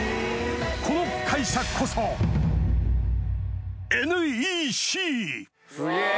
この会社こそＮＥＣすげぇ！